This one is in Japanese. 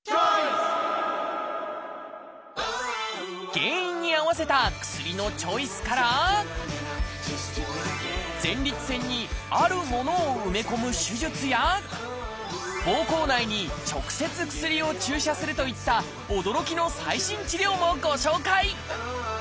原因に合わせた薬のチョイスから前立腺にあるものを埋め込む手術やぼうこう内に直接薬を注射するといった驚きの最新治療もご紹介。